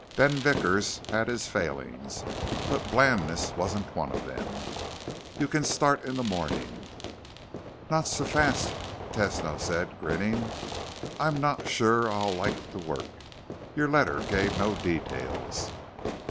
Ben Vickers had his failings, but blandness wasn't one of them. "You can start in the morning." "Not so fast," Tesno said, grinning. "I'm not sure I'll like the work. Your letter gave no details."